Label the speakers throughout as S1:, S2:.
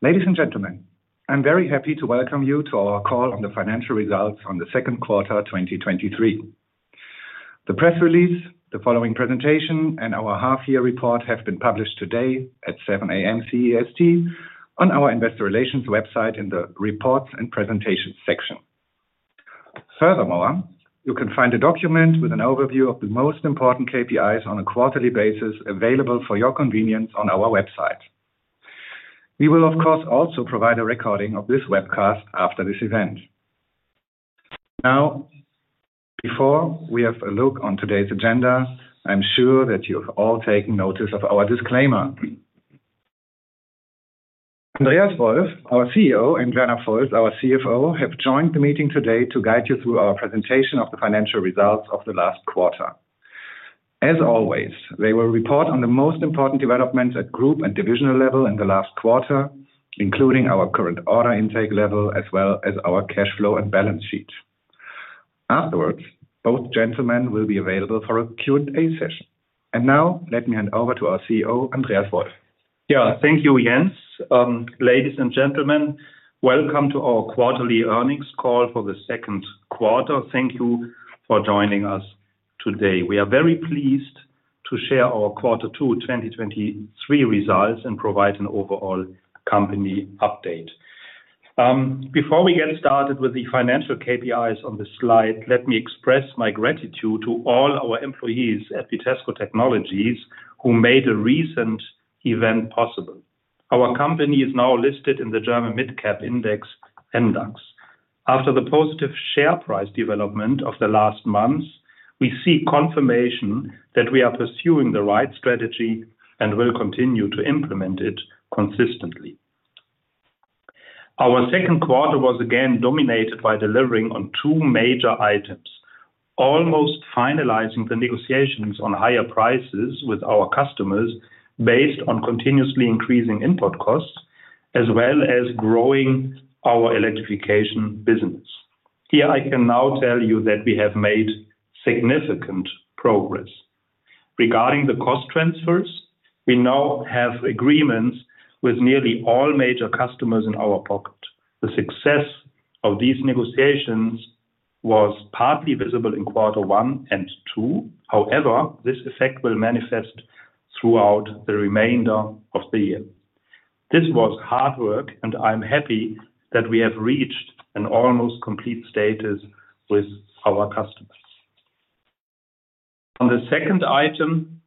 S1: Ladies and gentlemen, I'm very happy to welcome you to our call on the financial results on the second quarter, 2023. The press release, the following presentation, and our half-year report have been published today at 7:00 A.M. CEST on our investor relations website in the reports and presentations section. Furthermore, you can find a document with an overview of the most important KPIs on a quarterly basis available for your convenience on our website. We will, of course, also provide a recording of this webcast after this event. Now, before we have a look on today's agenda, I'm sure that you've all taken notice of our disclaimer. Andreas Wolf, our CEO, and Werner Volz, our CFO, have joined the meeting today to guide you through our presentation of the financial results of the last quarter. As always, they will report on the most important developments at group and divisional level in the last quarter, including our current order intake level, as well as our cash flow and balance sheet. Afterwards, both gentlemen will be available for a Q&A session. Now let me hand over to our CEO, Andreas Wolf.
S2: Thank you, Jens. Ladies and gentlemen, welcome to our quarterly earnings call for the second quarter. Thank you for joining us today. We are very pleased to share our 2Q 2023 results and provide an overall company update. Before we get started with the financial KPIs on the slide, let me express my gratitude to all our employees at Vitesco Technologies, who made the recent event possible. Our company is now listed in the German Midcap Index, MDAX. After the positive share price development of the last months, we see confirmation that we are pursuing the right strategy and will continue to implement it consistently. Our second quarter was again dominated by delivering on two major items, almost finalizing the negotiations on higher prices with our customers based on continuously increasing input costs, as well as growing our electrification business. Here, I can now tell you that we have made significant progress. Regarding the cost transfers, we now have agreements with nearly all major customers in our pocket. The success of these negotiations was partly visible in quarter 1 and 2. However, this effect will manifest throughout the remainder of the year. This was hard work, and I'm happy that we have reached an almost complete status with our customers. On the second item,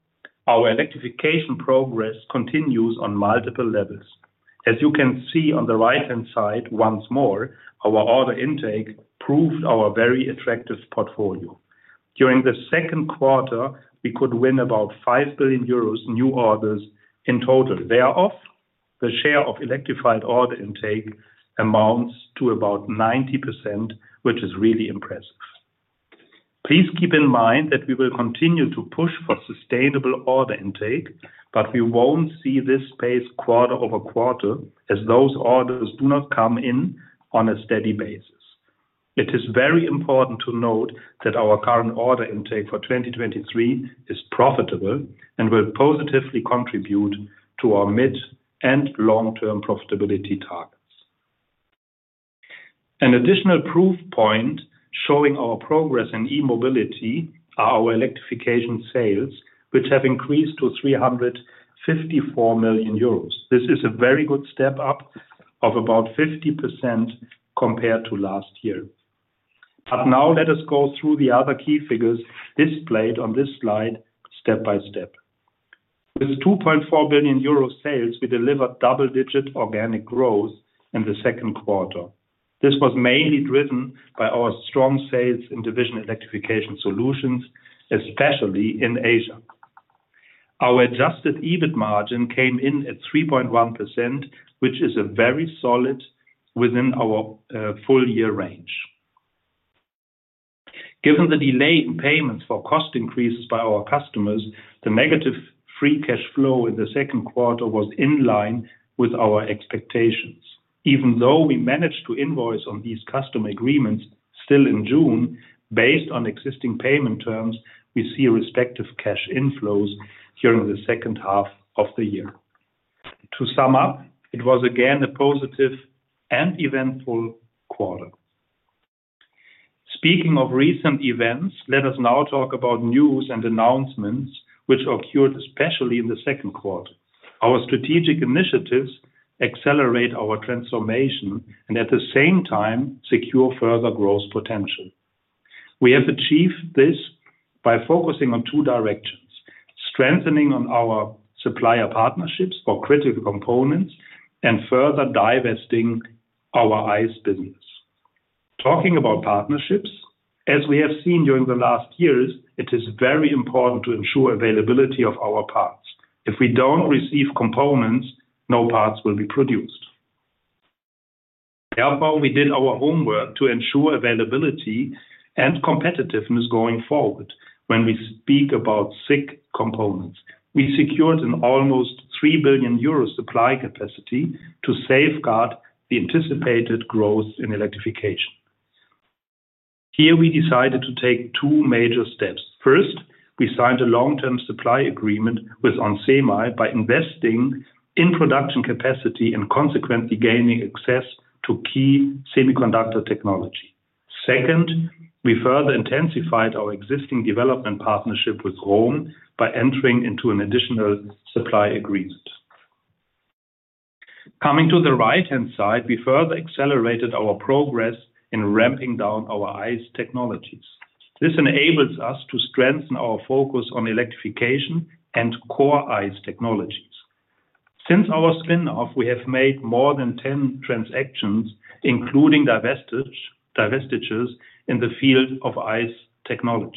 S2: our Electrification Solutions progress continues on multiple levels. As you can see on the right-hand side, once more, our order intake proved our very attractive portfolio. During the second quarter, we could win about 5 billion euros new orders in total. Thereof, the share of electrified order intake amounts to about 90%, which is really impressive. Please keep in mind that we will continue to push for sustainable order intake, but we won't see this pace quarter-over-quarter, as those orders do not come in on a steady basis. It is very important to note that our current order intake for 2023 is profitable and will positively contribute to our mid- and long-term profitability targets. An additional proof point showing our progress in e-mobility are our electrification sales, which have increased to 354 million euros. This is a very good step-up of about 50% compared to last year. Now let us go through the other key figures displayed on this slide, step by step. With 2.4 billion euro sales, we delivered double-digit organic growth in the second quarter. This was mainly driven by our strong sales in division Electrification Solutions, especially in Asia. Our adjusted EBIT margin came in at 3.1%, which is a very solid within our full year range. Given the delayed payments for cost increases by our customers, the negative free cash flow in the second quarter was in line with our expectations. Even though we managed to invoice on these custom agreements still in June, based on existing payment terms, we see respective cash inflows during the second half of the year. To sum up, it was again, a positive and eventful quarter. Speaking of recent events, let us now talk about news and announcements which occurred, especially in the second quarter. Our strategic initiatives accelerate our transformation and at the same time, secure further growth potential. We have achieved this by focusing on two directions, strengthening on our supplier partnerships for critical components and further divesting our ICE business. Talking about partnerships, as we have seen during the last years, it is very important to ensure availability of our parts. If we don't receive components, no parts will be produced. We did our homework to ensure availability and competitiveness going forward when we speak about SiC components. We secured an almost 3 billion euro supply capacity to safeguard the anticipated growth in electrification. Here we decided to take two major steps. First, we signed a long-term supply agreement with onsemi by investing in production capacity and consequently gaining access to key semiconductor technology. Second, we further intensified our existing development partnership with Rohm by entering into an additional supply agreement. Coming to the right-hand side, we further accelerated our progress in ramping down our ICE technologies. This enables us to strengthen our focus on electrification and core ICE technologies. Since our spin-off, we have made more than 10 transactions, including divestitures, divestitures in the field of ICE technologies.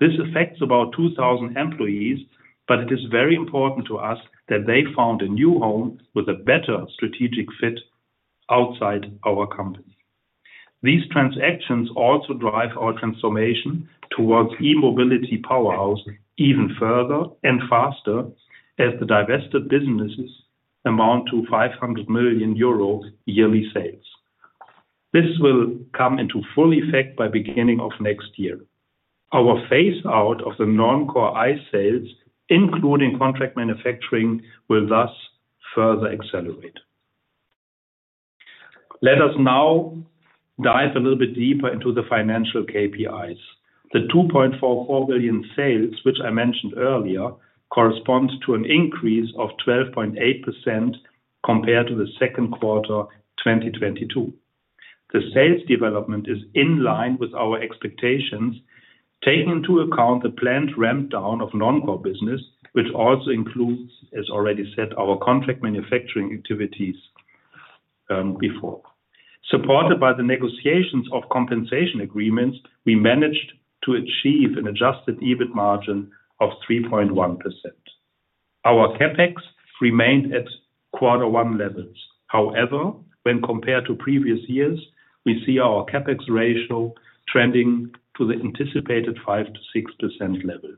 S2: This affects about 2,000 employees, but it is very important to us that they found a new home with a better strategic fit outside our company. These transactions also drive our transformation towards e-mobility powerhouse even further and faster, as the divested businesses amount to 500 million euro yearly sales. This will come into full effect by beginning of next year. Our phaseout of the non-core ICE sales, including contract manufacturing, will thus further accelerate. Let us now dive a little bit deeper into the financial KPIs. The 2.44 billion sales, which I mentioned earlier, corresponds to an increase of 12.8% compared to the second quarter 2022. The sales development is in line with our expectations, taking into account the planned ramp down of non-core business, which also includes, as already said, our contract manufacturing activities, before. Supported by the negotiations of compensation agreements, we managed to achieve an adjusted EBIT margin of 3.1%. Our CapEx remained at first-quarter levels. However, when compared to previous years, we see our CapEx ratio trending to the anticipated 5%-6% level.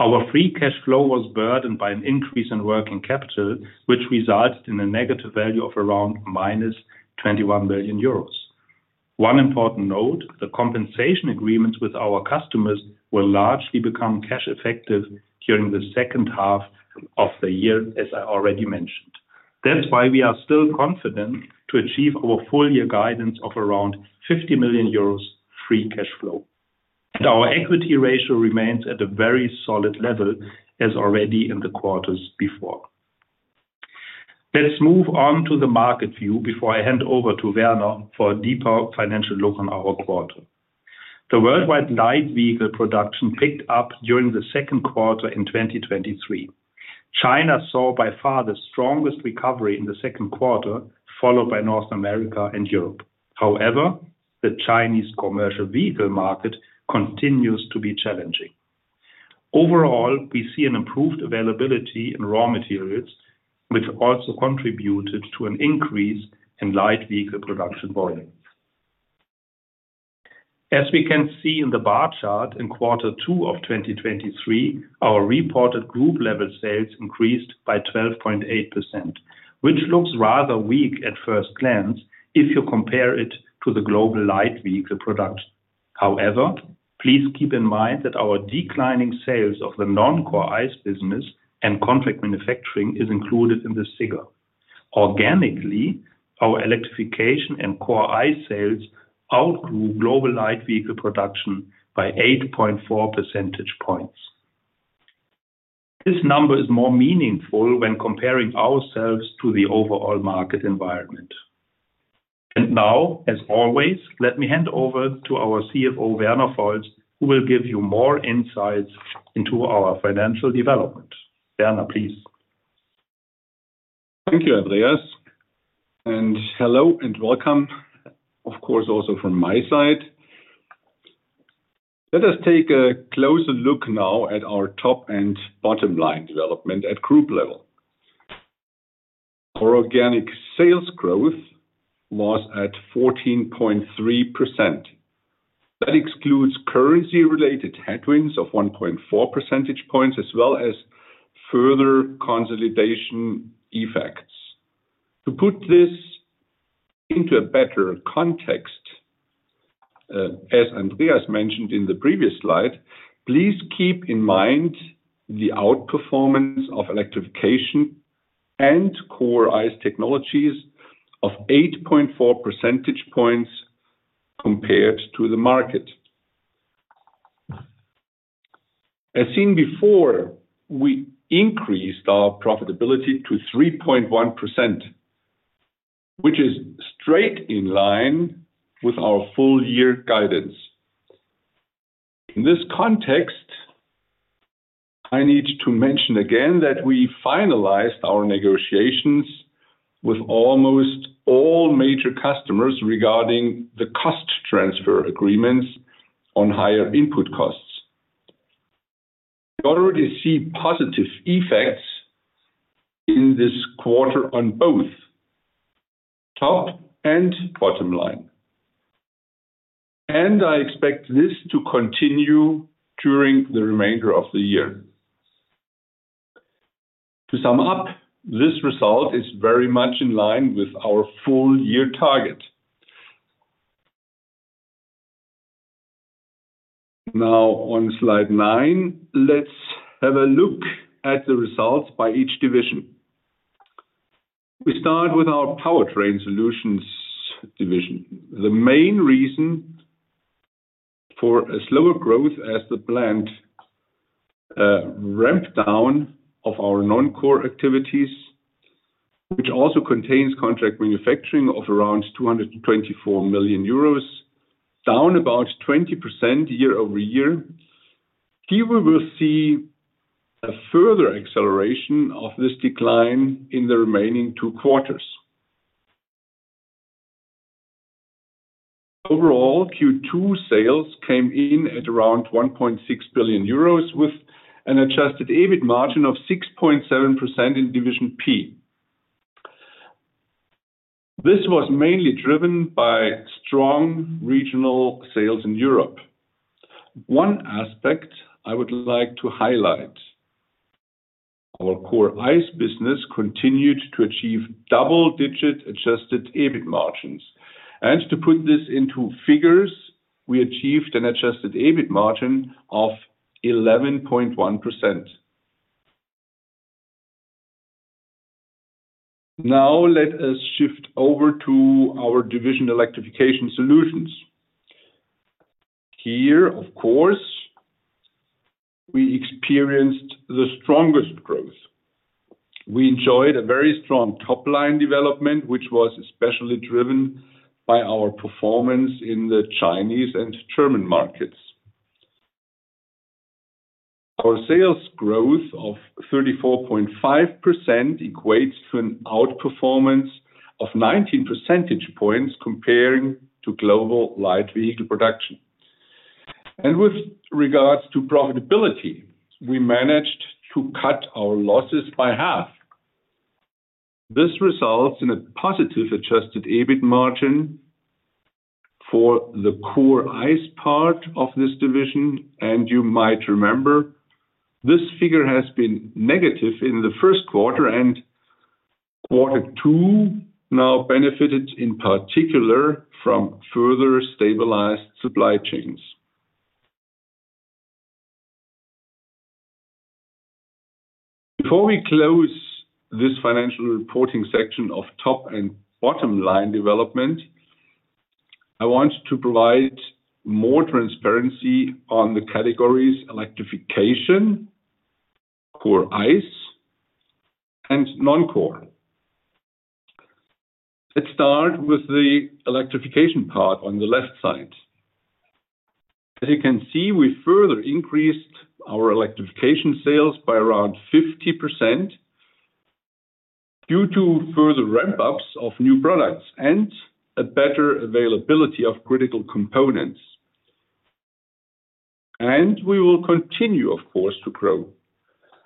S2: Our free cash flow was burdened by an increase in working capital, which resulted in a negative value of around minus 21 million euros. One important note, the compensation agreements with our customers will largely become cash effective during the second half of the year, as I already mentioned. That's why we are still confident to achieve our full year guidance of around 50 million euros free cash flow. Our equity ratio remains at a very solid level, as already in the quarters before. Let's move on to the market view before I hand over to Werner for a deeper financial look on our quarter. The worldwide light vehicle production picked up during the second quarter in 2023. China saw by far the strongest recovery in the second quarter, followed by North America and Europe. However, the Chinese commercial vehicle market continues to be challenging. Overall, we see an improved availability in raw materials, which also contributed to an increase in light vehicle production volumes. As we can see in the bar chart, in quarter two of 2023, our reported group-level sales increased by 12.8%, which looks rather weak at first glance if you compare it to the global light vehicle production. Please keep in mind that our declining sales of the non-core ICE business and contract manufacturing is included in this figure. Organically, our electrification and core ICE sales outgrew global light vehicle production by 8.4 percentage points. This number is more meaningful when comparing ourselves to the overall market environment. Now, as always, let me hand over to our CFO, Werner Volz, who will give you more insights into our financial development. Werner, please.
S3: Thank you, Andreas, and hello, and welcome, of course, also from my side. Let us take a closer look now at our top and bottom line development at group level. Our organic sales growth was at 14.3%. That excludes currency-related headwinds of 1.4 percentage points, as well as further consolidation effects. To put this into a better context, as Andreas mentioned in the previous slide, please keep in mind the outperformance of electrification and core ICE technologies of 8.4 percentage points compared to the market. As seen before, we increased our profitability to 3.1%, which is straight in line with our full-year guidance. In this context, I need to mention again that we finalized our negotiations with almost all major customers regarding the cost transfer agreements on higher input costs. We already see positive effects in this quarter on both top and bottom line. I expect this to continue during the remainder of the year. To sum up, this result is very much in line with our full year target. Now, on slide 9, let's have a look at the results by each division. We start with our Powertrain Solutions division. The main reason for a slower growth as the planned ramp down of our non-core activities, which also contains contract manufacturing of around 224 million euros, down about 20% year-over-year. Here, we will see a further acceleration of this decline in the remaining two quarters. Overall, Q2 sales came in at around 1.6 billion euros, with an adjusted EBIT margin of 6.7% in Division P. This was mainly driven by strong regional sales in Europe. One aspect I would like to highlight, our core ICE business continued to achieve double-digit adjusted EBIT margins. To put this into figures, we achieved an adjusted EBIT margin of 11.1%. Now, let us shift over to our division Electrification Solutions. Here, of course, we experienced the strongest growth. We enjoyed a very strong top-line development, which was especially driven by our performance in the Chinese and German markets. Our sales growth of 34.5% equates to an outperformance of 19 percentage points comparing to global light vehicle production. With regards to profitability, we managed to cut our losses by half. This results in a positive adjusted EBIT margin for the core ICE part of this division, and you might remember this figure has been negative in the first quarter, and quarter two now benefited, in particular, from further stabilized supply chains. Before we close this financial reporting section of top and bottom line development, I want to provide more transparency on the categories electrification, core ICE, and non-core. Let's start with the electrification part on the left side. As you can see, we further increased our electrification sales by around 50% due to further ramp-ups of new products and a better availability of critical components. We will continue, of course, to grow.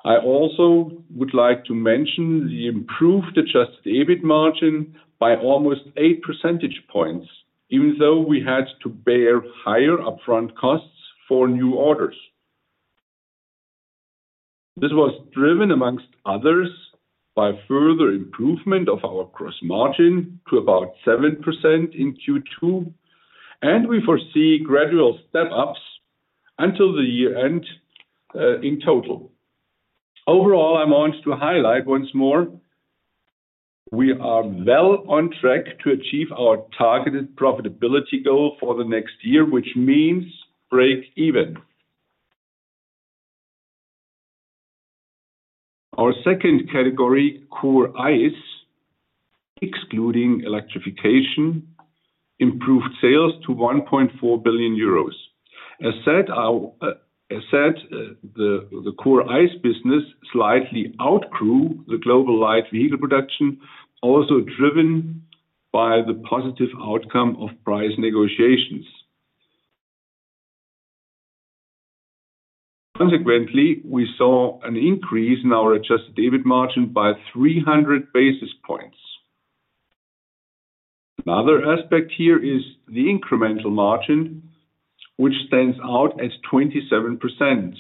S3: I also would like to mention the improved adjusted EBIT margin by almost 8 percentage points, even though we had to bear higher upfront costs for new orders. This was driven, amongst others, by further improvement of our gross margin to about 7% in Q2. We foresee gradual step-ups until the year-end in total. Overall, I want to highlight once more, we are well on track to achieve our targeted profitability goal for the next year, which means break even. Our second category, Core ICE, excluding Electrification, improved sales to 1.4 billion euros. As said, our Core ICE business slightly outgrew the global light vehicle production, also driven by the positive outcome of price negotiations. Consequently, we saw an increase in our adjusted EBIT margin by 300 basis points. Another aspect here is the incremental margin, which stands out as 27%.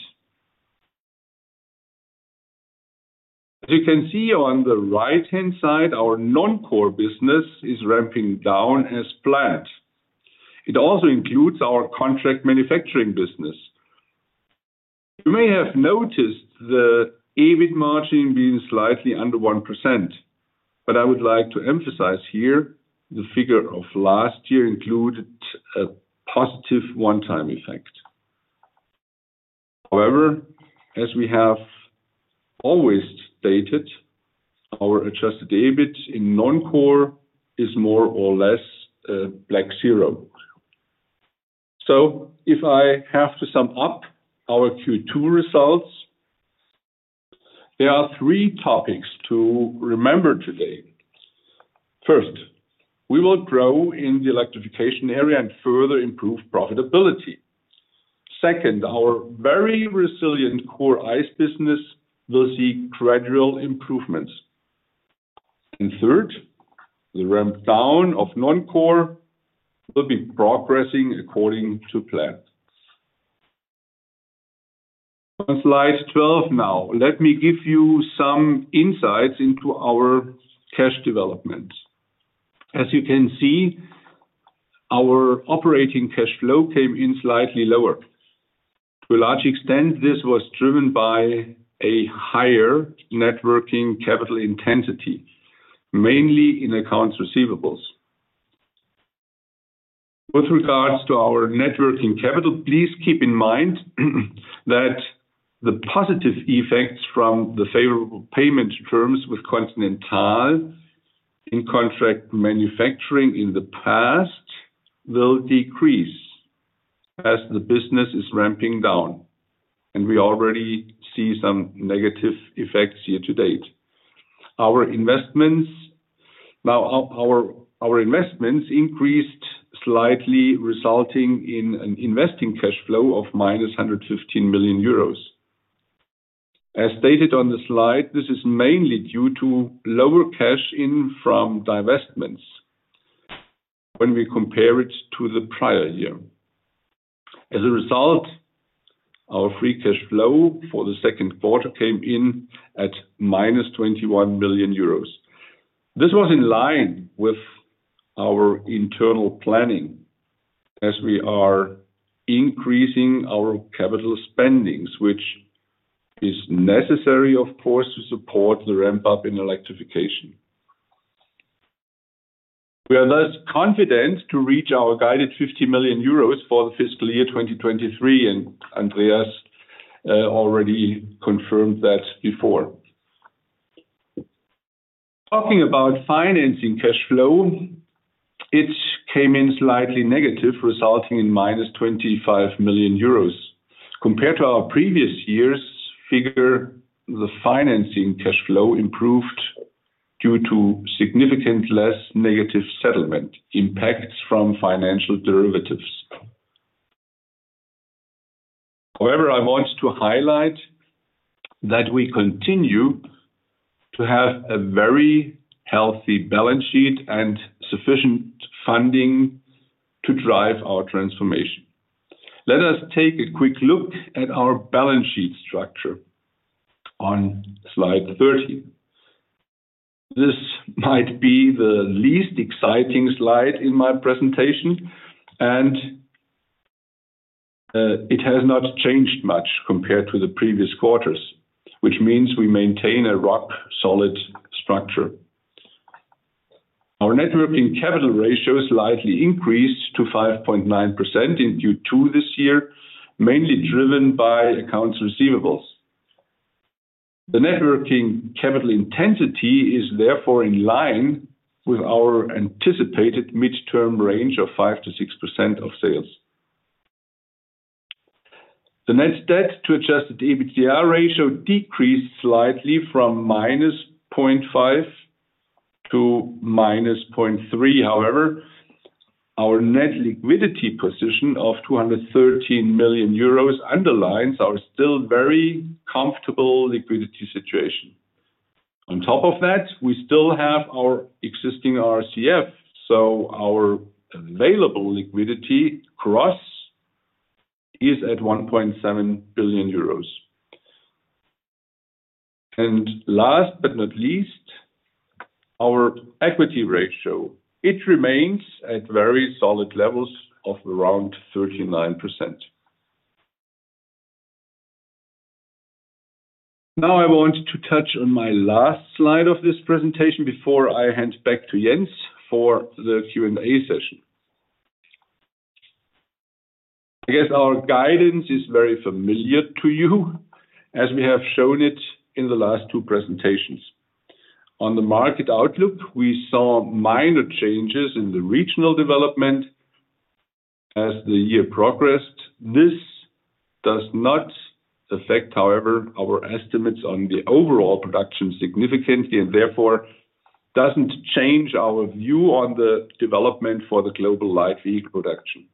S3: As you can see on the right-hand side, our non-core business is ramping down as planned. It also includes our contract manufacturing business. You may have noticed the EBIT margin being slightly under 1%, but I would like to emphasize here, the figure of last year included a positive one-time effect. However, as we have always stated, our adjusted EBIT in non-core is more or less 0. If I have to sum up our Q2 results, there are 3 topics to remember today. First, we will grow in the electrification area and further improve profitability. Second, our very resilient core ICE business will see gradual improvements. Third, the ramp down of non-core will be progressing according to plan. On slide 12 now, let me give you some insights into our cash development. As you can see, our operating cash flow came in slightly lower. To a large extent, this was driven by a higher net working capital intensity, mainly in accounts receivables. With regards to our net working capital, please keep in mind, that the positive effects from the favorable payment terms with Continental in contract manufacturing in the past will decrease as the business is ramping down, and we already see some negative effects here to date. Our investments. Now, our investments increased slightly, resulting in an investing cash flow of -115 million euros. As stated on the slide, this is mainly due to lower cash in from divestments when we compare it to the prior year. As a result, our free cash flow for the second quarter came in at -21 million euros. This was in line with our internal planning, as we are increasing our capital spendings, which is necessary, of course, to support the ramp-up in electrification. We are less confident to reach our guided 50 million euros for the fiscal year 2023. Andreas already confirmed that before. Talking about financing cash flow, it came in slightly negative, resulting in minus 25 million euros. Compared to our previous year's figure, the financing cash flow improved due to significant less negative settlement impacts from financial derivatives. I want to highlight that we continue to have a very healthy balance sheet and sufficient funding to drive our transformation. Let us take a quick look at our balance sheet structure on slide 13. This might be the least exciting slide in my presentation. It has not changed much compared to the previous quarters, which means we maintain a rock-solid structure. Our net working capital ratio slightly increased to 5.9% in Q2 this year, mainly driven by accounts receivables. The net working capital intensity is therefore in line with our anticipated midterm range of 5%-6% of sales. The net debt to adjusted EBITDA ratio decreased slightly from -0.5 to -0.3. Our net liquidity position of 213 million euros underlines our still very comfortable liquidity situation. On top of that, we still have our existing RCF, our available liquidity cross is at 1.7 billion euros. Last but not least, our equity ratio. It remains at very solid levels of around 39%. Now, I want to touch on my last slide of this presentation before I hand back to Jens for the Q&A session. I guess our guidance is very familiar to you, as we have shown it in the last two presentations. On the market outlook, we saw minor changes in the regional development as the year progressed. This does not affect, however, our estimates on the overall production significantly, and therefore, doesn't change our view on the development for the global light vehicle production.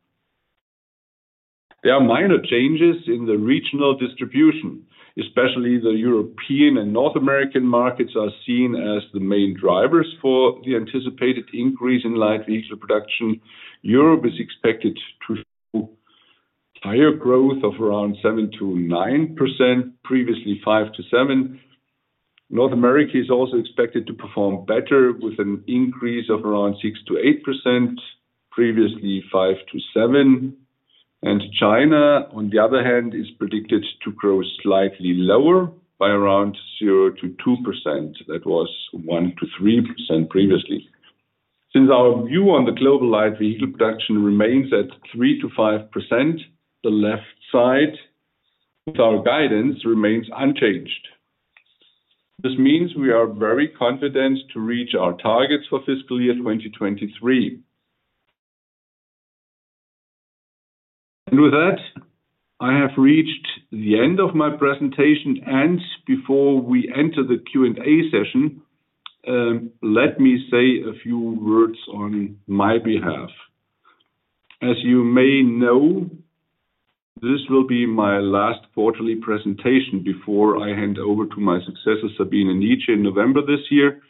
S3: There are minor changes in the regional distribution, especially the European and North American markets are seen as the main drivers for the anticipated increase in light vehicle production. Europe is expected to show higher growth of around 7%-9%, previously 5%-7%. North America is also expected to perform better, with an increase of around 6%-8%, previously 5%-7%. China, on the other hand, is predicted to grow slightly lower by around 0%-2%. That was 1%-3% previously. Since our view on the global light vehicle production remains at 3%-5%, the left side, our guidance remains unchanged. This means we are very confident to reach our targets for fiscal year 2023. With that, I have reached the end of my presentation, and before we enter the Q&A session, let me say a few words on my behalf. As you may know, this will be my last quarterly presentation before I hand over to my successor, Sabine Nitzsche, in November this year.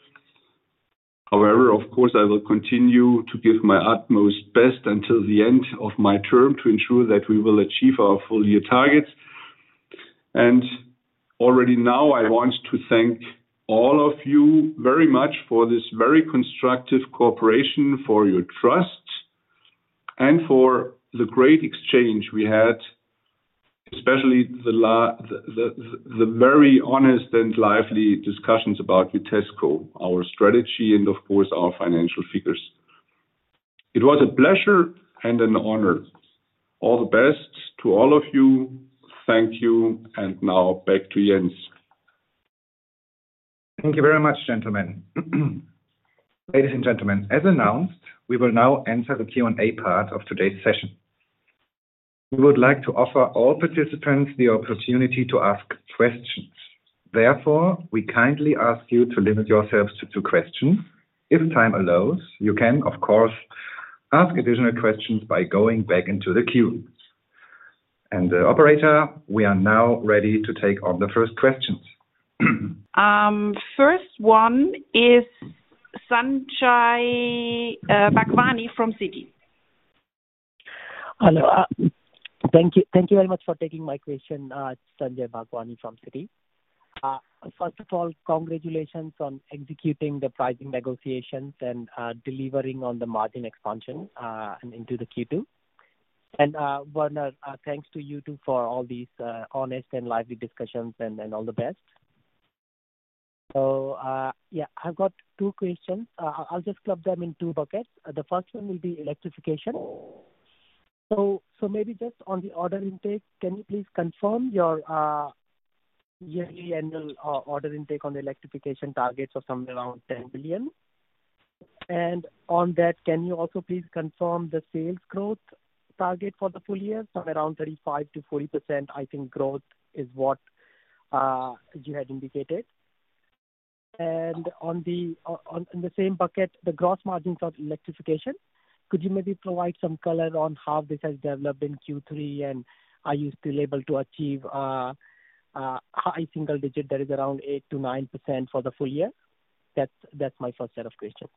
S3: Of course, I will continue to give my utmost best until the end of my term to ensure that we will achieve our full year targets. Already now, I want to thank all of you very much for this very constructive cooperation, for your trust, and for the great exchange we had, especially the very honest and lively discussions about Vitesco, our strategy, and of course, our financial figures. It was a pleasure and an honor. All the best to all of you. Thank you. Now back to Jens.
S1: Thank you very much, gentlemen. Ladies and gentlemen, as announced, we will now enter the Q&A part of today's session. We would like to offer all participants the opportunity to ask questions. Therefore, we kindly ask you to limit yourselves to 2 questions. If time allows, you can, of course, ask additional questions by going back into the queue. Operator, we are now ready to take on the first questions.
S4: First one is Sanjay Bhagwani from Citi.
S5: Hello. Thank you, thank you very much for taking my question. It's Sanjay Bhagwani from Citi. First of all, congratulations on executing the pricing negotiations and delivering on the margin expansion and into the Q2. Werner, thanks to you, too, for all these honest and lively discussions, and all the best. Yeah, I've got two questions. I'll just club them in two buckets. The first one will be electrification. Maybe just on the order intake, can you please confirm your yearly annual order intake on the electrification targets of somewhere around 10 billion? On that, can you also please confirm the sales growth target for the full year, somewhere around 35%-40%, I think growth is what you had indicated. On the, on, on the same bucket, the gross margins of electrification, could you maybe provide some color on how this has developed in Q3, and are you still able to achieve high single digit that is around 8% to 9% for the full year? That's, that's my first set of questions.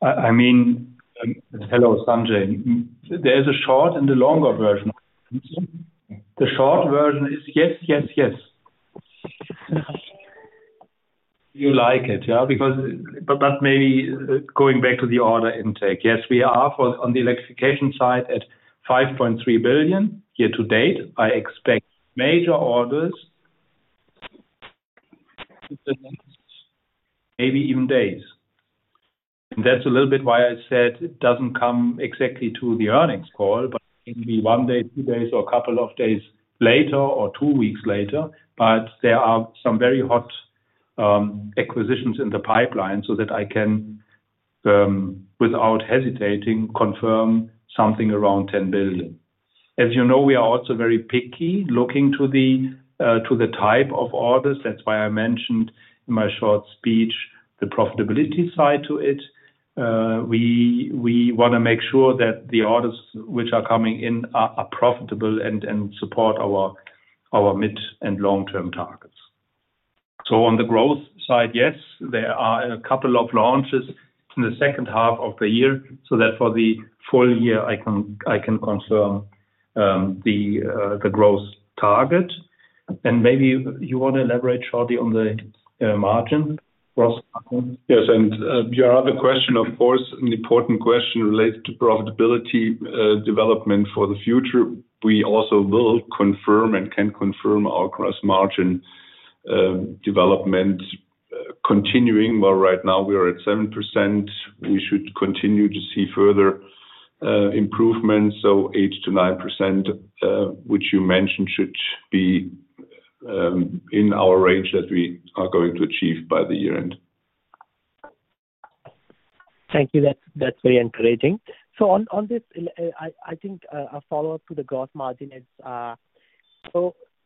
S3: I, I mean, hello, Sanjay. There is a short and a longer version. The short version is yes, yes, yes. You like it, yeah, because. But maybe going back to the order intake. Yes, we are for, on the electrification side at 5.3 billion year to date. I expect major orders, maybe even days. That's a little bit why I said it doesn't come exactly to the earnings call, but it may be 1 day, 2 days, or a couple of days later, or 2 weeks later. There are some very hot acquisitions in the pipeline so that I can, without hesitating, confirm something around 10 billion. As you know, we are also very picky looking to the type of orders. That's why I mentioned in my short speech, the profitability side to it. We, we want to make sure that the orders which are coming in are, are profitable and, and support our, our mid and long-term targets. On the growth side, yes, there are a couple of launches in the second half of the year, so that for the full year, I can, I can confirm the growth target. Maybe you want to elaborate shortly on the margin, gross margin. Your other question, of course, an important question related to profitability development for the future. We also will confirm and can confirm our gross margin development continues. Well, right now, we are at 7%. We should continue to see further improvements, so 8%-9%, which you mentioned, should be in our range that we are going to achieve by the year-end.
S5: Thank you. That's, that's very encouraging. On, on this, I, I think, a follow-up to the gross margin is...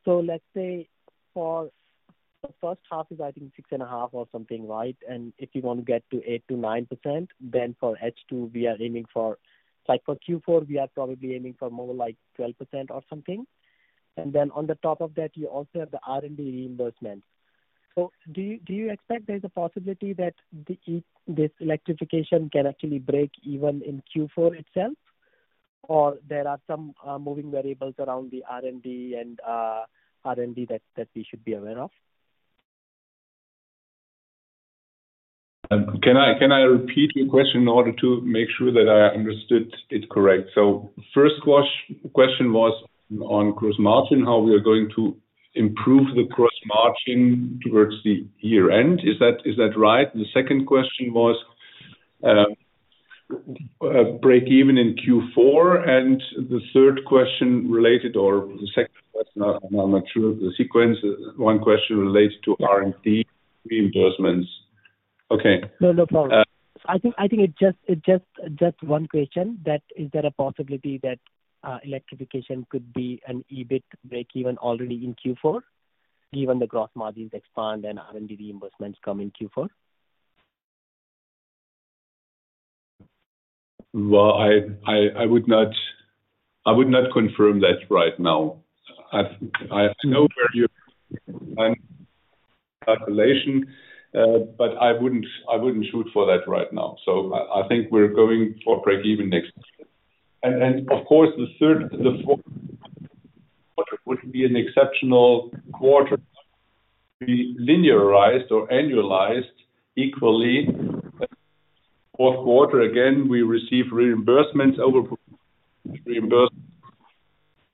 S5: Let's say for the first half is, I think, 6.5% or something, right? If you want to get to 8%-9%, then for H2, we are aiming for, like for Q4, we are probably aiming for more like 12% or something. Then on the top of that, you also have the R&D reimbursement. Do you, do you expect there's a possibility that this Electrification can actually break even in Q4 itself, or there are some moving variables around the R&D and R&D that, that we should be aware of?
S3: Can I, can I repeat your question in order to make sure that I understood it correct? First question, question was on gross margin, how we are going to improve the gross margin towards the year-end. Is that, is that right? The second question was, break even in Q4, the third question related or the second question, I'm not sure of the sequence. One question relates to R&D reimbursements. Okay.
S5: No, no problem.
S3: Uh.
S5: I think, one question, that is there a possibility that electrification could be an EBIT break even already in Q4, given the gross margins expand and R&D reimbursements come in Q4?
S3: Well, I, I, I would not, I would not confirm that right now. I, I know where your calculation, but I wouldn't, I wouldn't shoot for that right now. I, I think we're going for breakeven next. Of course, the third, the fourth quarter would be an exceptional quarter, be linearized or annualized equally. Fourth quarter, again, we receive reimbursements over reimbursement,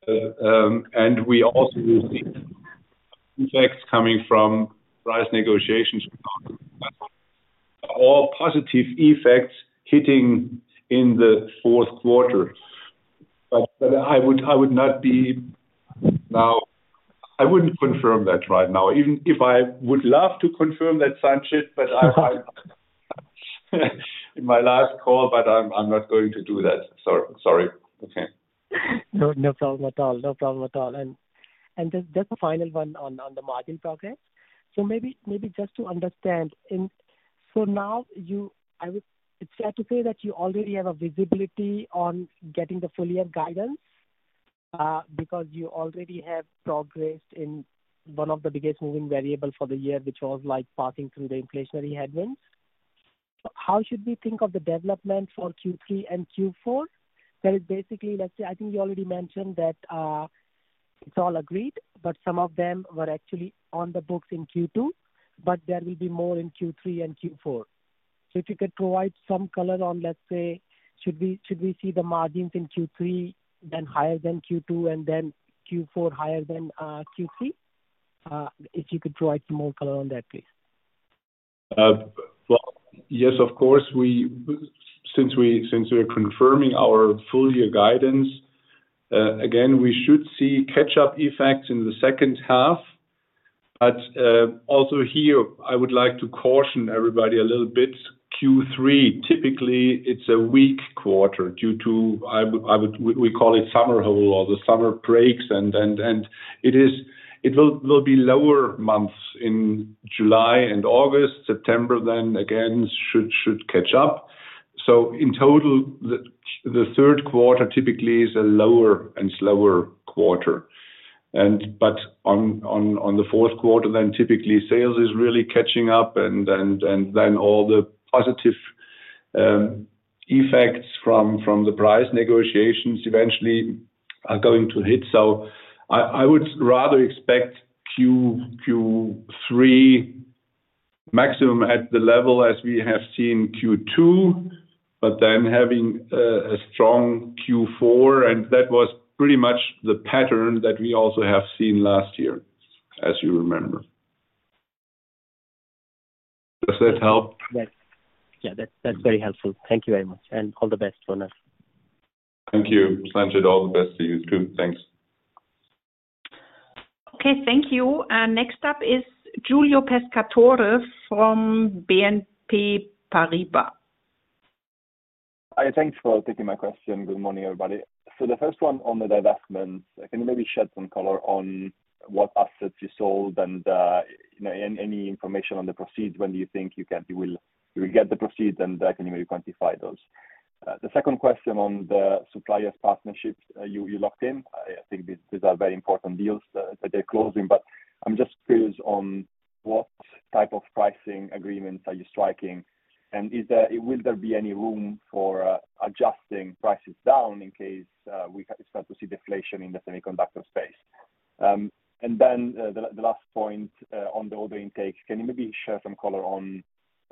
S3: and we also receive effects coming from price negotiations. All positive effects hitting in the fourth quarter. I wouldn't confirm that right now, even if I would love to confirm that, Sanjay, but I, I in my last call, but I'm, I'm not going to do that. Sorry. Okay.
S5: No, no problem at all. No problem at all. Just a final one on the margin progress. Maybe just to understand, it's fair to say that you already have a visibility on getting the full year guidance because you already have progressed in one of the biggest moving variables for the year, which was, like, passing through the inflationary headwinds. How should we think of the development for Q3 and Q4? That is basically, let's say, I think you already mentioned that it's all agreed, but some of them were actually on the books in Q2, but there will be more in Q3 and Q4. If you could provide some color on, let's say, should we see the margins in Q3, then higher than Q2, and then Q4 higher than Q3? If you could provide some more color on that, please.
S3: Well, yes, of course, since we, since we're confirming our full year guidance, again, we should see catch-up effects in the second half. Also here, I would like to caution everybody a little bit. Q3, typically, it's a weak quarter due to, we, we call it summer hole or the summer breaks, and it will be lower months in July and August. September, then again, should catch up. In total, the, the third quarter typically is a lower and slower quarter. On the fourth quarter, then typically sales is really catching up, and then all the positive effects from the price negotiations eventually are going to hit. I would rather expect Q3 maximum at the level as we have seen Q2, but then having a strong Q4, and that was pretty much the pattern that we also have seen last year, as you remember. Does that help?
S5: Yes. Yeah, that's, that's very helpful. Thank you very much, and all the best on us.
S3: Thank you, Sanjay. All the best to you, too. Thanks.
S4: Okay, thank you. Next up is Giulio Pescatore from BNP Paribas.
S6: Hi, thanks for taking my question. Good morning, everybody. The first one on the divestments, can you maybe shed some color on what assets you sold and, you know, any, any information on the proceeds, when do you think you will, you will get the proceeds, and, can you quantify those? The second question on the suppliers partnerships, you, you locked in. I think these, these are very important deals, that they're closing, but I'm just curious on what type of pricing agreements are you striking, and Will there be any room for adjusting prices down in case we start to see deflation in the semiconductor space? The, the last point, on the order intake, can you maybe share some color on,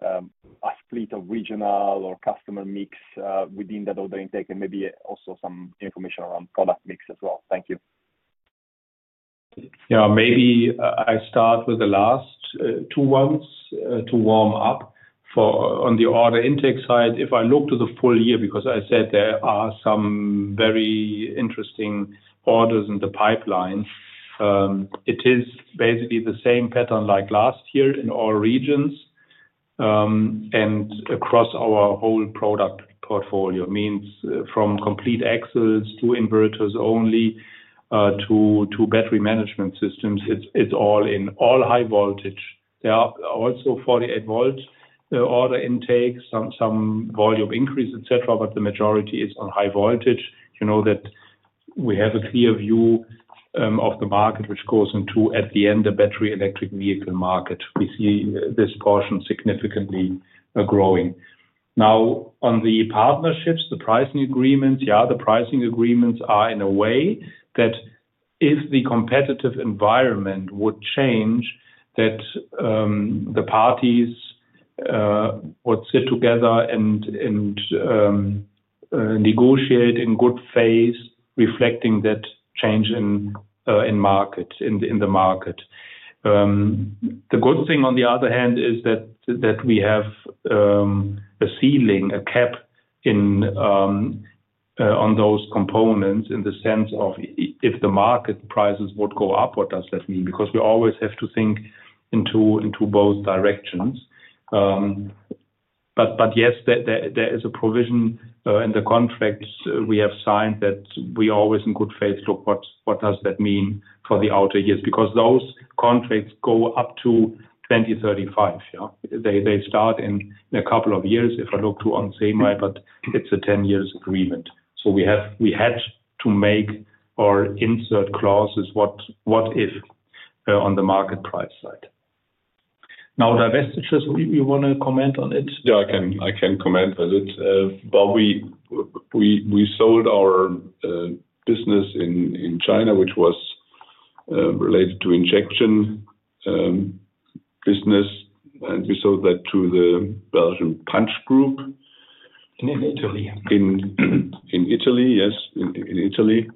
S6: a split of regional or customer mix, within that order intake and maybe also some information around product mix as well? Thank you.
S2: Yeah, maybe I, I start with the last 2 ones, to warm up. On the order intake side, if I look to the full year, because I said there are some very interesting orders in the pipeline, it is basically the same pattern like last year in all regions, and across our whole product portfolio. Means from complete axles to inverters only, to battery management systems, it's, it's all in all high voltage. There are also 48-volt order intake, some, some volume increase, et cetera, but the majority is on high voltage. You know that we have a clear view of the market, which goes into, at the end, the battery electric vehicle market. We see this portion significantly growing. On the partnerships, the pricing agreements, yeah, the pricing agreements are in a way that if the competitive environment would change, that the parties would sit together and, and negotiate in good faith, reflecting that change in market, in the, in the market. The good thing, on the other hand, is that, that we have a ceiling, a cap on those components, in the sense of if the market prices would go up, what does that mean? Because we always have to think into, into both directions. Yes, there is a provision in the contracts we have signed that we always in good faith look what does that mean for the outer years? Those contracts go up to 2035, yeah. They start in a couple of years, if I look to onsemi, but it's a 10 years agreement. We had to make or insert clauses, what if on the market price side. Now, divestitures, we wanna comment on it?
S3: Yeah, I can, I can comment on it. We, we, we sold our business in, in China, which was related to injection business, and we sold that to the Belgian Punch Group.
S2: In Italy.
S3: In Italy, yes, in Italy.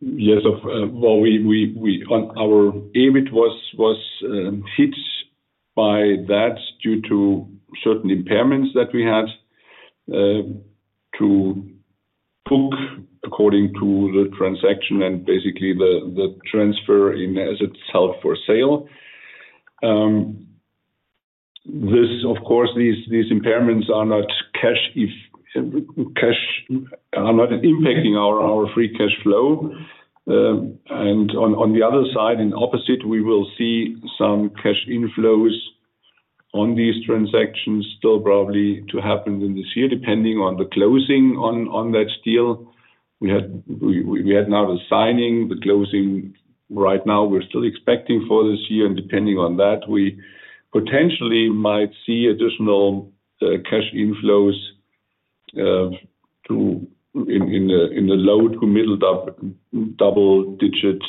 S3: Yes, of, well, we on our EBIT was hit by that due to certain impairments that we had to book according to the transaction and basically the transfer in as itself for sale. This, of course, these impairments are not cash if cash are not impacting our free cash flow. On the other side, in opposite, we will see some cash inflows on these transactions, still probably to happen in this year, depending on the closing on that deal. We had, we had now the signing, the closing. Right now, we're still expecting for this year, and depending on that, we potentially might see additional cash inflows to in the low to middle double-digit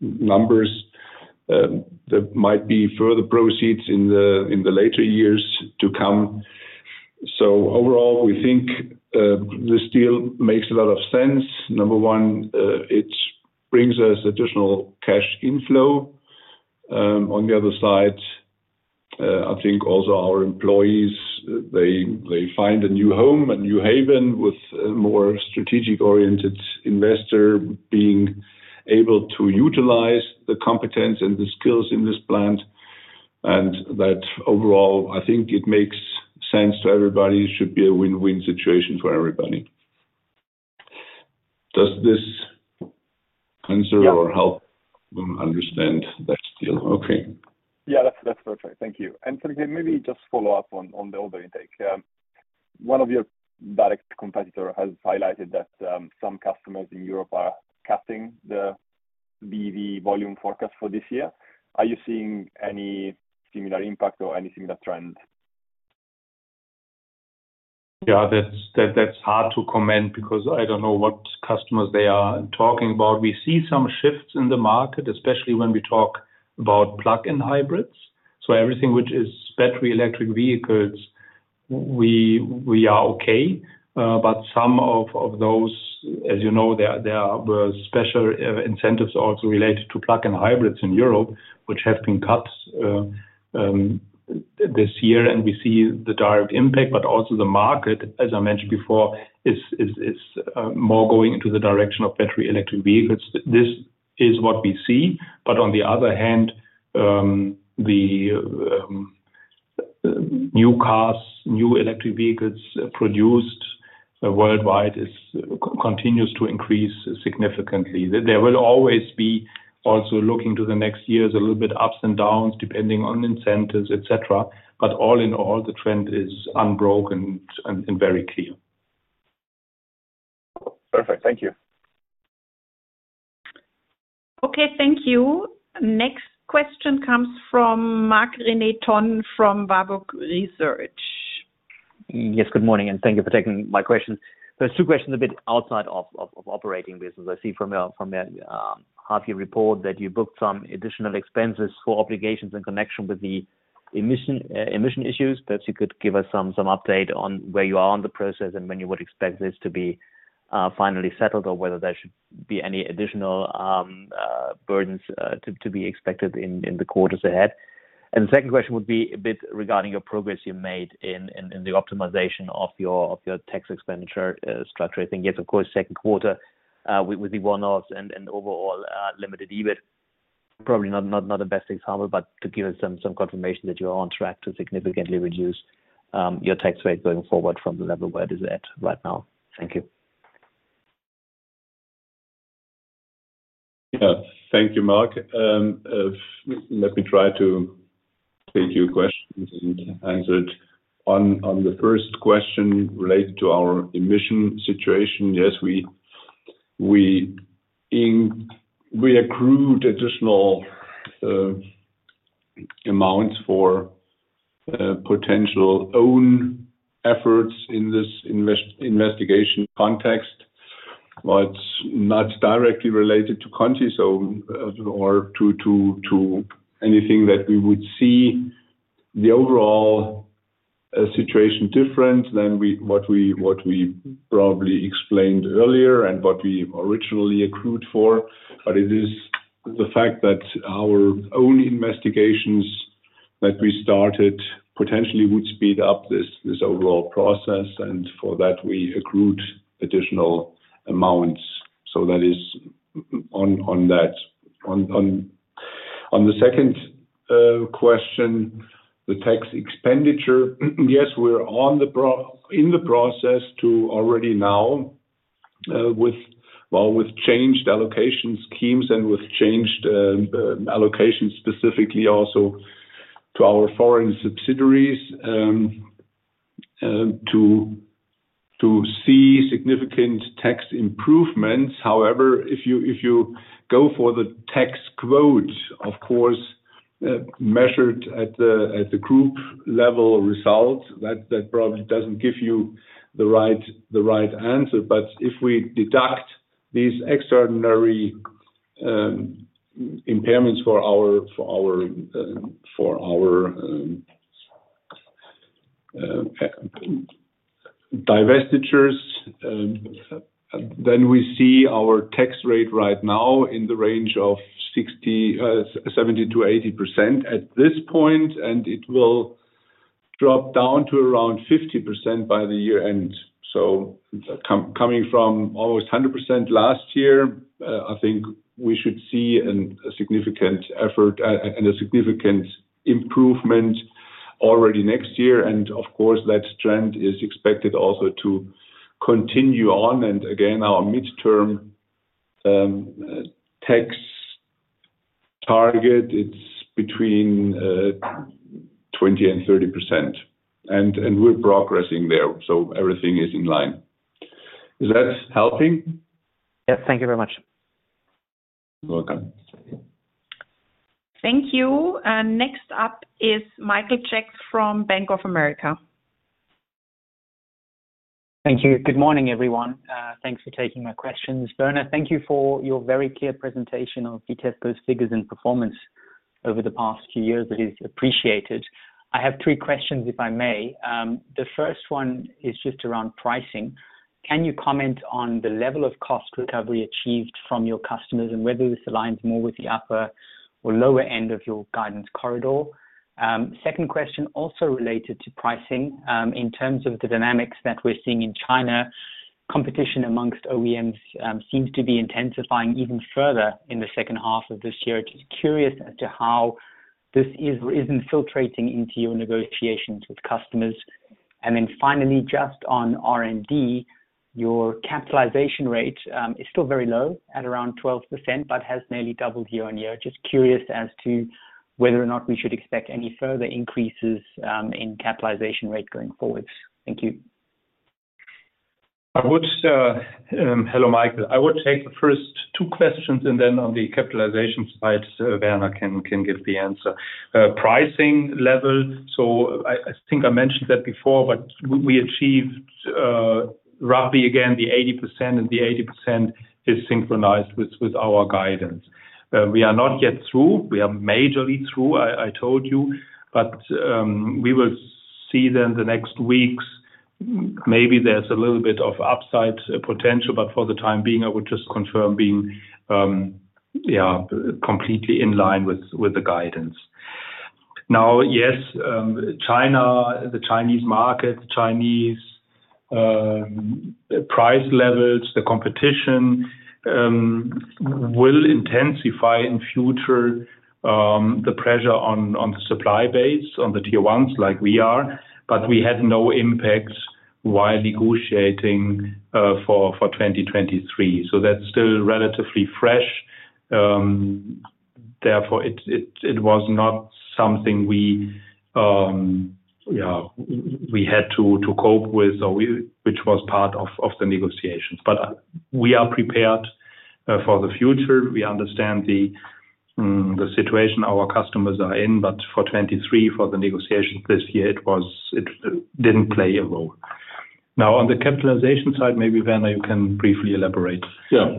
S3: numbers. There might be further proceeds in the, in the later years to come. Overall, we think this deal makes a lot of sense. Number one, it brings us additional cash inflow. On the other side, I think also our employees, they, they find a new home, a new haven, with a more strategic-oriented investor being able to utilize the competence and the skills in this plant. That overall, I think it makes sense to everybody. It should be a win-win situation for everybody. Does this answer-
S6: Yeah.
S3: Help them understand that deal? Okay.
S6: Yeah, that's, that's perfect. Thank you. Maybe just follow up on the order intake. One of your direct competitor has highlighted that some customers in Europe are cutting the BEV volume forecast for this year. Are you seeing any similar impact or anything that trend?
S2: Yeah, that's hard to comment because I don't know what customers they are talking about. We see some shifts in the market, especially when we talk about plug-in hybrids. Everything which is battery electric vehicles, we are okay. Some of those, as you know, there were special incentives also related to plug-in hybrids in Europe, which have been cut this year, we see the direct impact, also the market, as I mentioned before, is more going into the direction of battery electric vehicles. This is what we see, on the other hand, the new cars, new electric vehicles produced worldwide continues to increase significantly. There will always be also looking to the next years, a little bit ups and downs, depending on incentives, et cetera, but all in all, the trend is unbroken and, and very clear.
S6: Perfect. Thank you.
S4: Okay, thank you. Next question comes from Marc-René Tonn, from Warburg Research.
S7: Yes, good morning, and thank you for taking my questions. There are two questions a bit outside of, of, of operating business. I see from your, from your, half year report that you booked some additional expenses for obligations in connection with the emission, emission issues. Perhaps you could give us some, some update on where you are on the process and when you would expect this to be finally settled, or whether there should be any additional, burdens, to be expected in, in the quarters ahead. The second question would be a bit regarding your progress you made in, in, in the optimization of your, of your tax expenditure, structure. I think, yes, of course, second quarter, with, with the one-offs and, and overall, limited EBIT. Probably not, not, not the best example, but to give us some, some confirmation that you are on track to significantly reduce your tax rate going forward from the level where it is at right now. Thank you.
S3: Yeah. Thank you, Marc. Let me try to take your questions and answer it. On the first question related to our emission situation, yes, we, we accrued additional amounts for potential own efforts in this investigation context, but not directly related to Conti, or to anything that we would see the overall situation different than what we, what we probably explained earlier and what we originally accrued for. It is the fact that our own investigations that we started potentially would speed up this overall process, and for that, we accrued additional amounts. That is on that. The 2nd question, the tax expenditure, yes, we're in the process to already now, with, well, with changed allocation schemes and with changed allocation specifically also to our foreign subsidiaries, to see significant tax improvements. However, if you, if you go for the tax quote, of course, measured at the group level results, that probably doesn't give you the right answer. If we deduct these extraordinary impairments for our, for our, for our divestitures, then we see our tax rate right now in the range of 60%, 70%-80% at this point, and it will drop down to around 50% by the year-end. Coming from almost 100% last year, I think we should see a significant effort and a significant improvement already next year. Of course, that trend is expected also to continue on. Again, our midterm tax target, it's between 20% and 30%, and we're progressing there, everything is in line. Is that helping?
S7: Yeah. Thank you very much.
S3: You're welcome.
S4: Thank you. Next up is Michael Jarick from Bank of America.
S8: Thank you. Good morning, everyone. Thanks for taking my questions. Werner, thank you for your very clear presentation of Vitesco's figures and performance over the past few years. It is appreciated. I have 3 questions, if I may. The first one is just around pricing. Can you comment on the level of cost recovery achieved from your customers, and whether this aligns more with the upper or lower end of your guidance corridor? Second question, also related to pricing. In terms of the dynamics that we're seeing in China, competition amongst OEMs seems to be intensifying even further in the second half of this year. Just curious as to how this is infiltrating into your negotiations with customers. Finally, just on R&D, your capitalization rate is still very low at around 12%, but has nearly doubled year-over-year. Just curious as to whether or not we should expect any further increases in capitalization rate going forward. Thank you.
S2: I would. Hello, Michael. I would take the first two questions, and then on the capitalization side, so Werner can give the answer. Pricing level, so I, I think I mentioned that before, but we achieved, roughly again, the 80%, and the 80% is synchronized with, with our guidance. We are not yet through. We are majorly through, I, I told you, but, we will see then the next weeks, maybe there's a little bit of upside potential. For the time being, I would just confirm being, yeah, completely in line with, with the guidance. Yes, China, the Chinese market, the Chinese price levels, the competition will intensify in future, the pressure on the supply base, on the tier ones like we are, but we had no impact while negotiating for 2023. That's still relatively fresh. It was not something we had to cope with or which was part of the negotiations. We are prepared for the future. We understand the situation our customers are in, but for 2023, for the negotiations this year, it was, it didn't play a role. On the capitalization side, maybe, Werner, you can briefly elaborate.
S3: Yeah.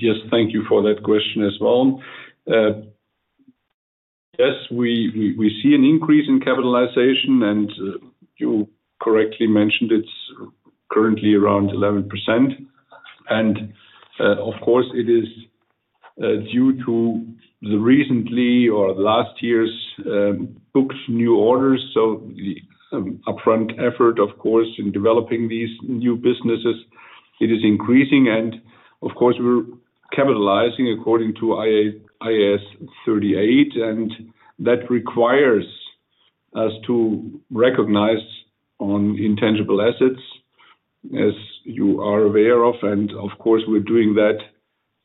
S3: Just thank you for that question as well. Yes, we, we, we see an increase in capitalization, and you correctly mentioned it's currently around 11%. Of course, it is due to the recently or last year's booked new orders. So the upfront effort, of course, in developing these new businesses, it is increasing. Of course, we're capitalizing according to IAS 38, that requires us to recognize on intangible assets, as you are aware of, of course, we're doing that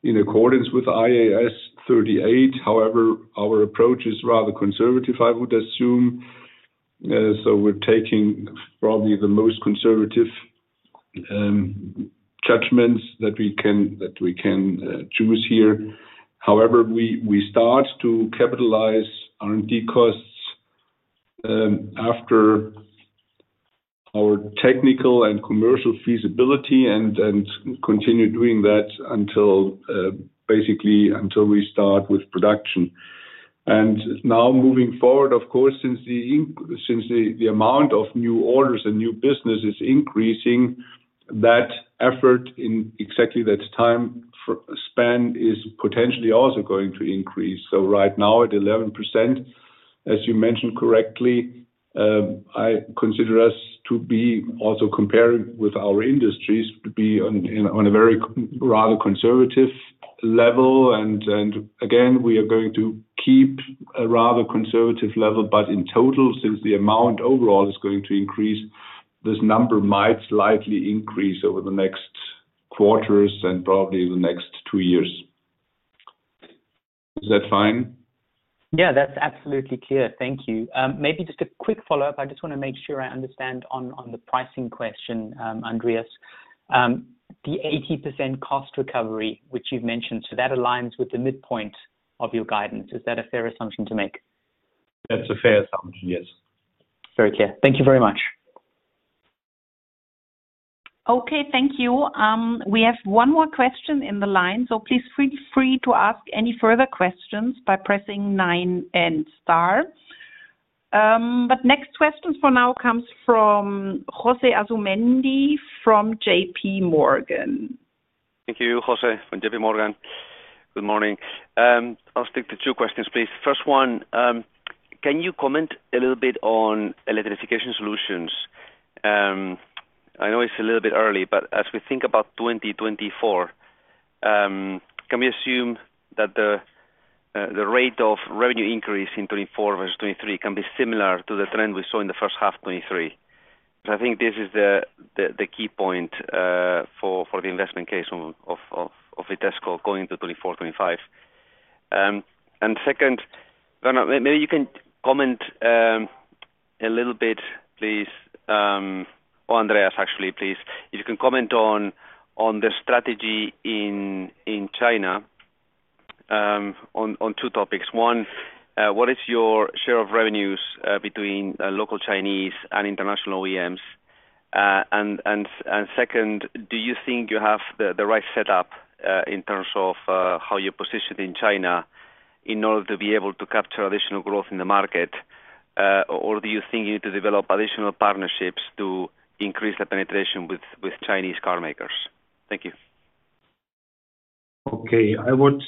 S3: in accordance with IAS 38. However, our approach is rather conservative, I would assume. So we're taking probably the most conservative judgments that we can, that we can, choose here. However, we start to capitalize R&D costs after our technical and commercial feasibility and continue doing that until, basically, until we start with production. Now moving forward, of course, since the amount of new orders and new business is increasing... That effort in exactly that time for- span is potentially also going to increase. Right now, at 11%, as you mentioned correctly, I consider us to be also compared with our industries, to be on a very rather conservative level. Again, we are going to keep a rather conservative level, but in total, since the amount overall is going to increase, this number might slightly increase over the next quarters and probably the next 2 years. Is that fine?
S8: Yeah, that's absolutely clear. Thank you. Maybe just a quick follow-up. I just want to make sure I understand on, on the pricing question, Andreas. The 80% cost recovery, which you've mentioned, that aligns with the midpoint of your guidance. Is that a fair assumption to make?
S2: That's a fair assumption, yes.
S8: Very clear. Thank you very much.
S4: Okay, thank you. We have one more question in the line, so please feel free to ask any further questions by pressing 9 and star. Next question for now comes from José Asumendi from JPMorgan.
S9: Thank you. José from JPMorgan. Good morning. I'll stick to two questions, please. First one, can you comment a little bit on Electrification Solutions? I know it's a little bit early, but as we think about 2024, can we assume that the rate of revenue increase in 2024 versus 2023 can be similar to the trend we saw in the first half 2023? I think this is the key point for the investment case of Vitesco going into 2024, 2025. And second, Bernard, maybe you can comment a little bit, please, or Andreas, actually, please, if you can comment on the strategy in China on two topics. One, what is your share of revenues between local Chinese and international OEMs? Second, do you think you have the, the right setup, in terms of, how you're positioned in China in order to be able to capture additional growth in the market? Do you think you need to develop additional partnerships to increase the penetration with, with Chinese carmakers? Thank you.
S2: Okay. I would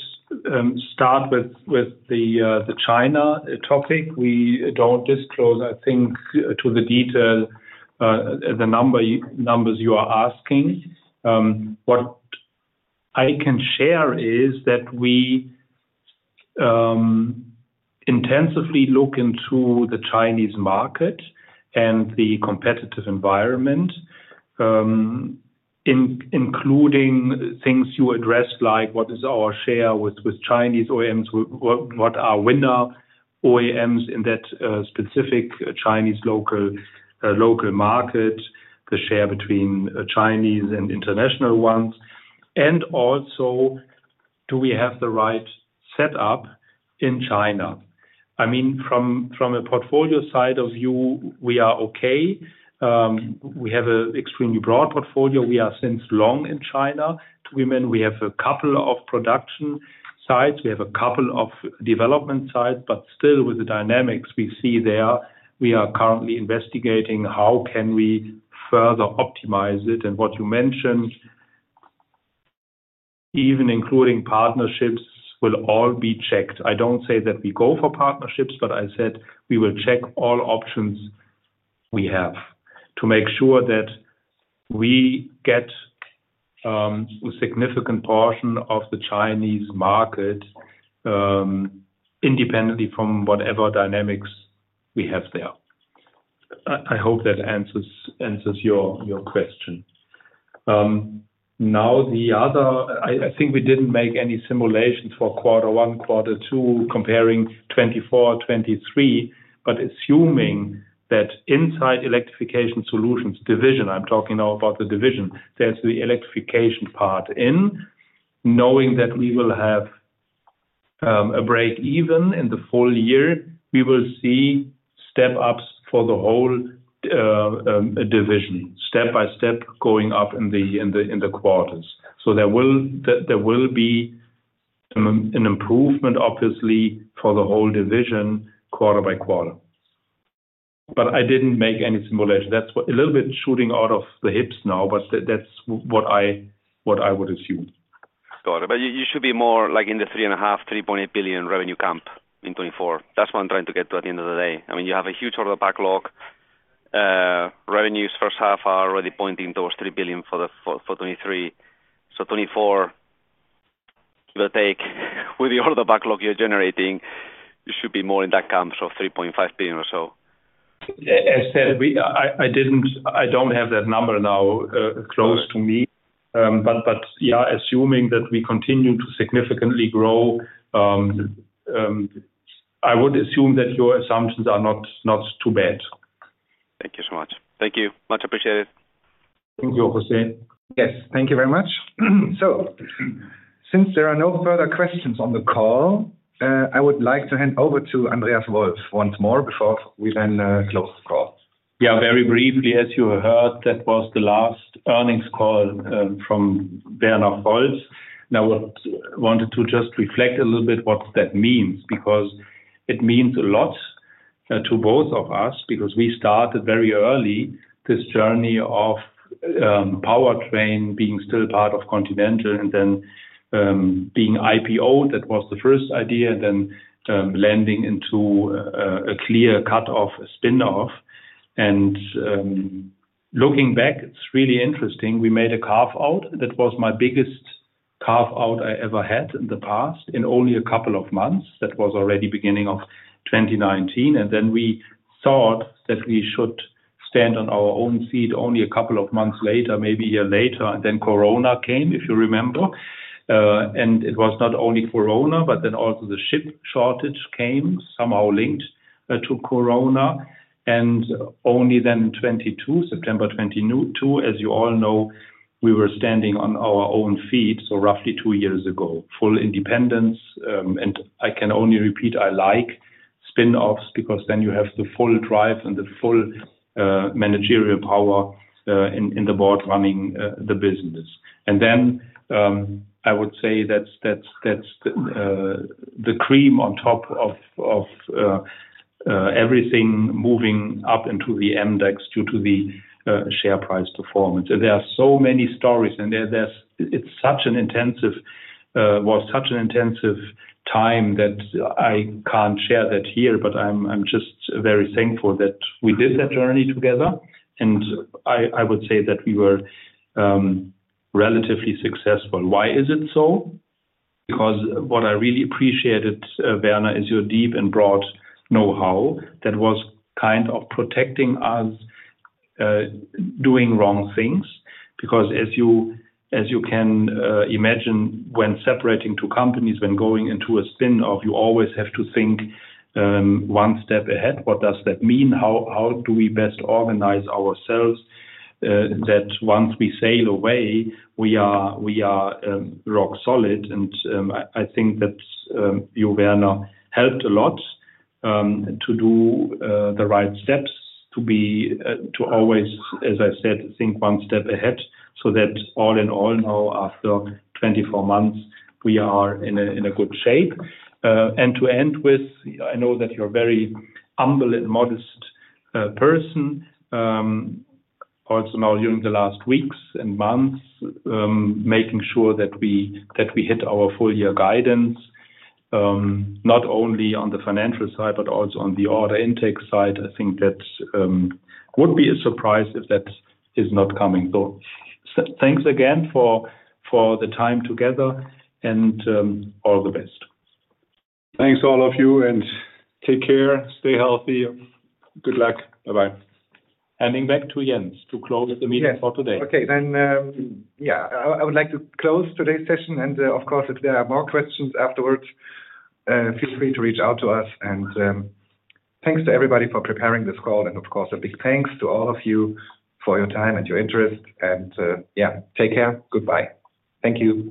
S2: start with, with the China topic. We don't disclose, I think, to the detail, the number, numbers you are asking. What I can share is that we intensively look into the Chinese market and the competitive environment, including things you address, like what is our share with, with Chinese OEMs, what, what are winner OEMs in that specific Chinese local market, the share between Chinese and international ones, and also, do we have the right setup in China? I mean, from, from a portfolio side of view, we are okay. We have a extremely broad portfolio. We are since long in China. To women, we have a couple of production sites, we have a couple of development sites, but still, with the dynamics we see there, we are currently investigating how can we further optimize it? What you mentioned, even including partnerships, will all be checked. I don't say that we go for partnerships, but I said we will check all options we have to make sure that we get a significant portion of the Chinese market independently from whatever dynamics we have there. I, I hope that answers, answers your, your question. Now, the other-- I, I think we didn't make any simulations for Q1, Q2, comparing 2024, 2023, but assuming that inside Electrification Solutions division, I'm talking now about the division, there's the electrification part in, knowing that we will have a break even in the full year, we will see step ups for the whole division, step-by-step going up in the, in the, in the quarters. There will, there, there will be an, an improvement, obviously, for the whole division, quarter by quarter. I didn't make any simulation. That's what. A little bit shooting out of the hips now, but that's what I, what I would assume.
S9: Got it. You should be more like in the 3.5 billion-3.8 billion revenue camp in 2024. That's what I'm trying to get to at the end of the day. I mean, you have a huge order backlog. Revenues first half are already pointing towards 3 billion for 2023. 2024, will take with the order backlog you're generating, you should be more in that camp, so 3.5 billion or so.
S2: As said, I don't have that number now, close to me. Yeah, assuming that we continue to significantly grow, I would assume that your assumptions are not, not too bad.
S9: Thank you so much. Thank you. Much appreciated.
S2: Thank you, José.
S1: Yes, thank you very much. Since there are no further questions on the call, I would like to hand over to Andreas Wolf once more before we close the call.
S2: Yeah, very briefly. As you heard, that was the last earnings call from Andreas Wolf. I wanted to just reflect a little bit what that means, because it means a lot. To both of us, because we started very early this journey of powertrain being still part of Continental and then being IPO, that was the first idea, then landing into a clear cut-off, a spin-off. Looking back, it's really interesting. We made a carve-out. That was my biggest carve-out I ever had in the past, in only a couple of months. That was already beginning of 2019, and then we thought that we should stand on our own feet only a couple of months later, maybe a year later, and then Corona came, if you remember. It was not only Corona, but then also the chip shortage came, somehow linked to Corona. Only then in 2022, September 2022, as you all know, we were standing on our own feet, so roughly 2 years ago. Full independence. I can only repeat, I like spin-offs because then you have the full drive and the full managerial power in the board running the business. I would say that's, that's, that's the cream on top of everything moving up into the MDAX due to the share price performance. There are so many stories, and it's such an intensive, well, such an intensive time that I can't share that here, but I'm just very thankful that we did that journey together, and I would say that we were relatively successful. Why is it so? Because what I really appreciated, Werner, is your deep and broad know-how, that was kind of protecting us, doing wrong things. As you can imagine when separating two companies, when going into a spin-off, you always have to think one step ahead. What does that mean? How do we best organize ourselves that once we sail away, we are rock solid? I, I think that, you, Werner, helped a lot to do the right steps, to be to always, as I said, think one step ahead, so that all in all, now, after 24 months, we are in a good shape. And to end with, I know that you're a very humble and modest person, also now during the last weeks and months, making sure that we, that we hit our full year guidance, not only on the financial side, but also on the order intake side. I think that would be a surprise if that is not coming. Thanks again for, for the time together, and all the best.
S3: Thanks, all of you, and take care. Stay healthy. Good luck. Bye-bye.
S2: Handing back to Jens to close the meeting for today.
S1: Yes. Okay, then, yeah, I, I would like to close today's session. Of course, if there are more questions afterwards, feel free to reach out to us. Thanks to everybody for preparing this call, and of course, a big thanks to all of you for your time and your interest. Yeah, take care. Goodbye. Thank you.